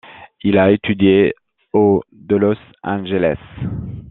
Il a étudié au de Los Angeles.